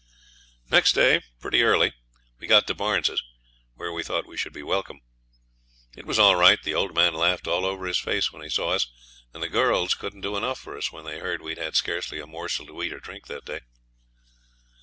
Next day, pretty early, we got to Barnes's, where we thought we should be welcome. It was all right. The old man laughed all over his face when he saw us, and the girls couldn't do enough for us when they heard we'd had scarce a morsel to eat or drink that day.